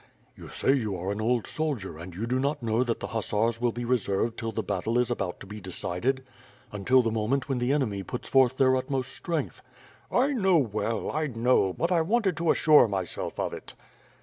"You say you are an old soldier and you do not know that the hussars will be reserved till the battle is about to be de cided; until the moment when the enemy puts forth their ut most strength." "I know well, I know, but I wanted to assure myself of it."